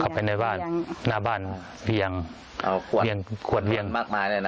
เข้าไปในบ้านหน้าบ้านเบี้ยงเอ่อขวดเบี้ยงขวดเบี้ยงมากมายเลยน่ะ